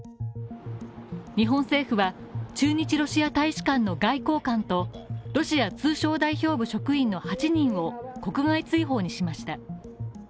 日本政府は駐日ロシア大使館の外交官と、ロシア通商代表部職員の８人を国外追放にしました。